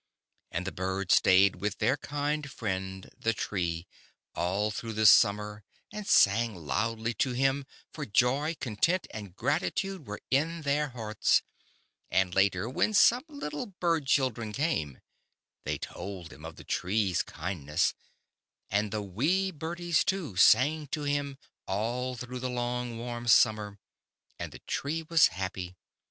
And the Birds stayed with their kind friend, the Tree, all through the summer, and sang loudly to him, for joy, content, and gratitude were in their hearts, and later when some little bird children came, they told them of the Tree's kind ness, and the wee birdies, too, sang to him all through the long warm summer, and the Tree was happy.